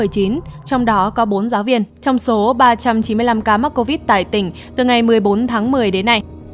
trong đó có bốn giáo viên trong số ba trăm chín mươi năm ca mắc covid tại tỉnh từ ngày một mươi bốn tháng một mươi đến nay